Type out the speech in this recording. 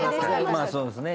まあそうですね。